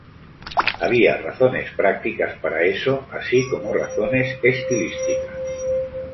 Había razones prácticas para eso, así como razones estilísticas.